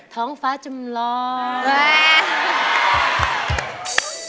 ท้องฟ้าจำลอง